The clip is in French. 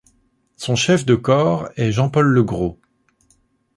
Son chef de corps est Jean-Pol Legros.